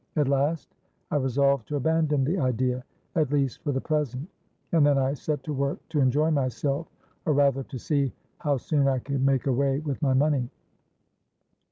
At last I resolved to abandon the idea, at least for the present; and then I set to work to enjoy myself—or rather to see how soon I could make away with my money.